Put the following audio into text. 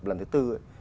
lần thứ tư ấy